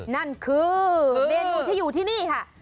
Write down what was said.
นั่นคือเมนูที่อยู่ที่นี่ค่ะ